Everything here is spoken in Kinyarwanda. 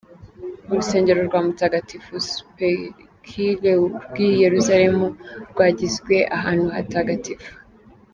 Urusengero rwa Mutagatifu Sepulchre rw’i Yerusalemu rwagizwe ahantu hatagatifu.